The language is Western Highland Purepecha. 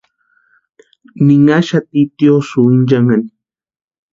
Ninhaxati tiosïo inchanhani.